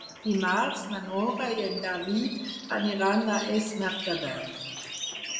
Dimarts na Nora i en David aniran a Es Mercadal.